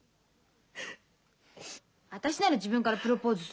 私なら自分からプロポーズする。